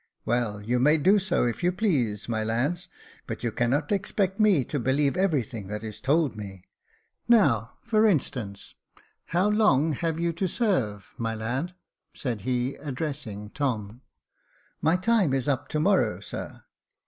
" Well, you may do so, if you please, my lads ; but you cannot expect me to believe everything that is told me. Now, for instance, how long have you to serve, my lad ?" said he, addressing Tom. " My time is up to morrow, sir."